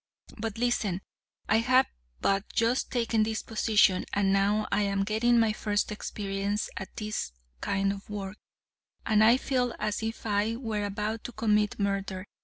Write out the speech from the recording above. But listen, I have but just taken this position, and now I am getting my first experience at this kind of work, and I feel as if I were about to commit murder.